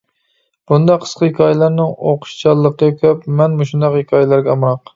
بۇنداق قىسقا ھېكايىلەرنىڭ ئوقۇشچانلىقى كۆپ، مەن مۇشۇنداق ھېكايىلەرگە ئامراق.